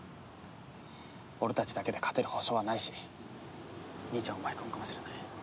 俺たちだけで勝てる保証はないし兄ちゃんを巻き込むかもしれない。